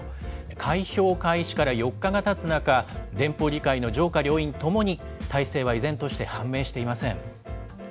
開票開始から４日がたつ中、連邦議会の上下両院ともに、大勢は依然として判明していません。